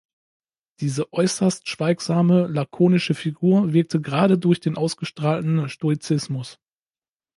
Diese äußerst schweigsame, lakonische Figur wirkte gerade durch den ausgestrahlten Stoizismus.